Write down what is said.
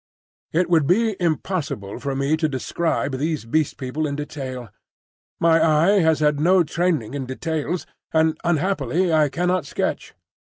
It would be impossible for me to describe these Beast People in detail; my eye has had no training in details, and unhappily I cannot sketch.